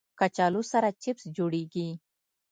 کچالو سره چپس جوړېږي